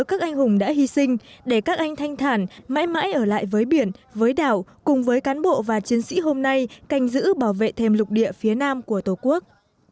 các anh hùng đã hy sinh để các anh thanh thản mãi mãi ở lại với biển với đảo cùng với cán bộ và chiến sĩ hôm nay canh giữ bảo vệ thêm lục địa phía nam của tổ quốc